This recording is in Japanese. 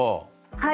はい。